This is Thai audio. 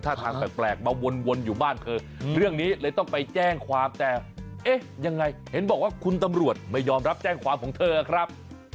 ถ้าทางแปลกมาวนอยู่บ้านเธอเรื่องนี้เลยต้องไปแจ้งความแต่เอ๊ะยังไงเห็นบอกว่าคุณตำรวจไม่ยอมรับแจ้งความของเธอครับ